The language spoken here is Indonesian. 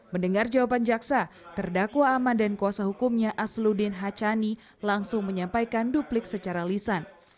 mendengar jawaban jaksa terdakwa aman dan kuasa hukumnya asluddin hacani langsung menyampaikan duplik secara lisan